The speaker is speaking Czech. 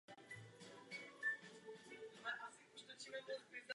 Byl činný i v podnikání.